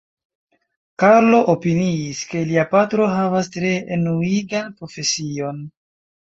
Karlo opiniis, ke lia patro havas tre enuigan profesion.